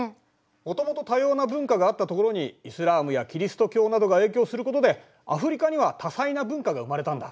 もともと多様な文化があったところにイスラームやキリスト教などが影響することでアフリカには多彩な文化が生まれたんだ。